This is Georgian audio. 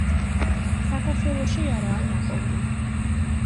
საქართველოში არაა ნაპოვნი.